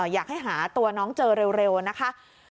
อยากให้หาตัวน้องเจอเร็วนะคะ